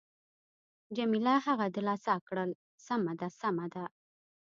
جميله هغه دلاسا کړل: سمه ده، سمه ده.